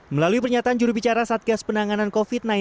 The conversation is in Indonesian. melalui pernyataan jurubicara satgas penanganan covid sembilan belas